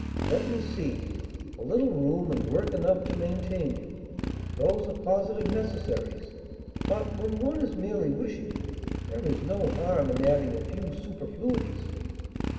"Let me see: a little room, and work enough to maintain you, those are positive necessaries; but, when one is merely wishing, there is no harm in adding a few superfluities.